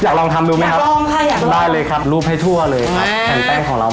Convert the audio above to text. อยากลองทำดูไหมครับได้เลยครับรูปให้ทั่วเลยครับแผ่นแป้งของเรา